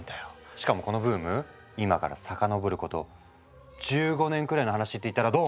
しかもこのブーム今から遡ること１５年くらいの話って言ったらどう？